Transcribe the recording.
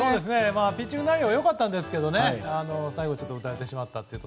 ピッチング内容は良かったですが最後、打たれてしまって。